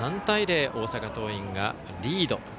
３対０、大阪桐蔭がリード。